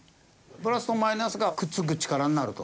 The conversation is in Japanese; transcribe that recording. プラスとマイナスがくっつく力になると？